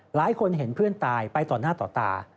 หลายคนเห็นเพื่อนตายไปต่อหน้าต่อตา